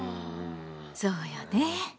そうよね。